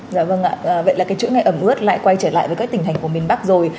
dạ vâng ạ vậy là cái chỗ này ẩm ướt lại quay trở lại với các tỉnh thành phố miền bắc rồi